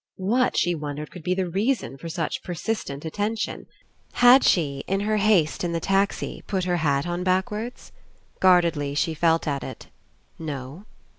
What, she wondered, could be the reason for such per sistent attention? Had she. In her haste In the 17 PASSING taxi, put her hat on backwards? Guardedly she felt at it. No.